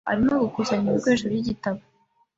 Arimo gukusanya ibikoresho by'igitabo.